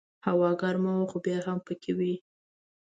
هوا ګرمه وه خو بیا هم پکې وې.